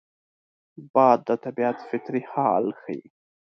باد د طبیعت فطري حال ښيي